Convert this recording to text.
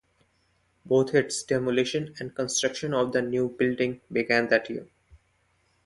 Both its demolition and construction of the new building began that year.